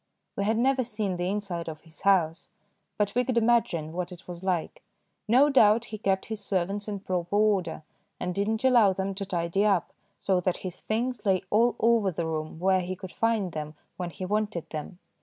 We had never seen the inside of his house, but we could imagine what it was like. No doubt he kept his servants in proper order and did not allow them to tidy up, so that his things lay all over the room where he could find them when he wanted them.